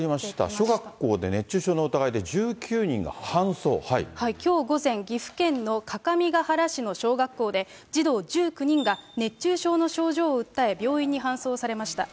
小学校で熱中症の疑いで、１９人きょう午前、岐阜県の各務原市の小学校で、児童１９人が熱中症の症状を訴え、病院に搬送されました。